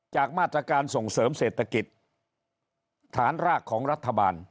จากมาตรการส่งเสริมเศรษฐกิจฐานรากของรัฐบาล